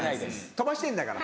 飛ばしてんだから。